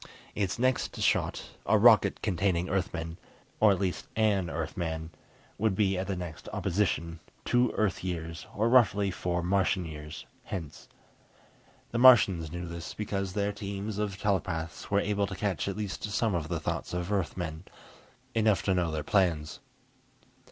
Its next shot, a rocket containing Earthmen, or at least an Earthman, would be at the next opposition, two Earth years, or roughly four Martian years, hence. The Martians knew this, because their teams of telepaths were able to catch at least some of the thoughts of Earthmen, enough to know their plans.